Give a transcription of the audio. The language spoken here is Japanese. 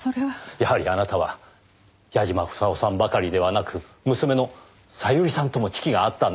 やはりあなたは矢嶋房夫さんばかりではなく娘の小百合さんとも知己があったんですね。